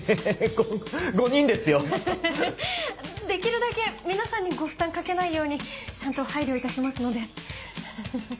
できるだけ皆さんにご負担掛けないようにちゃんと配慮いたしますのでハハハハ。